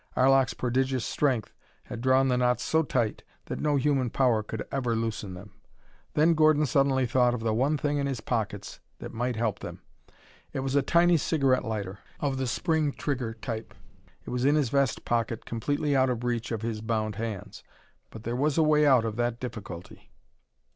Arlok's prodigious strength had drawn the knots so tight that no human power could ever loosen them. Then Gordon suddenly thought of the one thing in his pockets that might help them. It was a tiny cigarette lighter, of the spring trigger type. It was in his vest pocket completely out of reach of his bound hands, but there was a way out of that difficulty.